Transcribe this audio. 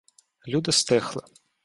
Люди стихли.